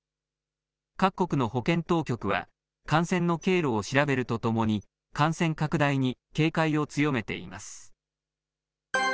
各国の保健当局は、感染の経路を調べるとともに、感染拡大に警戒を強めています。